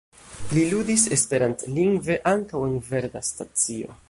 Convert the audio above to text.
Li ludis esperantlingve ankaŭ en Verda Stacio.